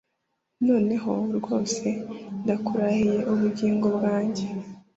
noneho, rwose, ndakurahiye ubugingo bwanjye